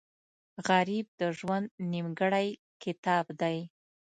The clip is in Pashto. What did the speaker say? غریب د ژوند نیمګړی کتاب دی